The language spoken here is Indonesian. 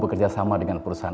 ih tegal banget sih